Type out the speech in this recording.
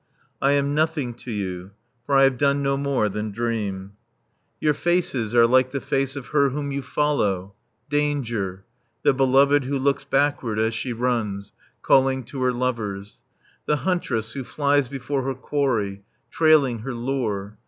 I am nothing to you, For I have done no more than dream. Your faces are like the face of her whom you follow, Danger, The Beloved who looks backward as she runs, calling to her lovers, The Huntress who flies before her quarry, trailing her lure.